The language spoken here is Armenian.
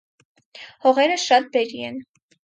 Հողերը շատ բերրի են։